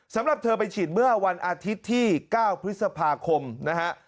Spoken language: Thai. สำหรับเธอไปฉีดเมื่อวันอาทิตย์ที่๙พฤษภาคมนะฮะ